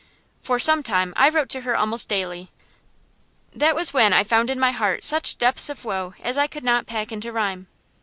For some time I wrote to her almost daily. That was when I found in my heart such depths of woe as I could not pack into rhyme.